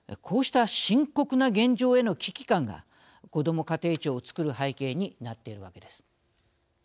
こうした深刻な現状への危機感がこども家庭庁を作る背景になっているわけです。